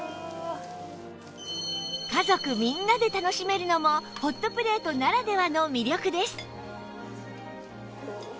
家族みんなで楽しめるのもホットプレートならではの魅力です